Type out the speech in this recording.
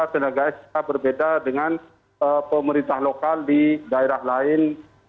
tenaga sk berbeda dengan pemerintah lokal di daerah lain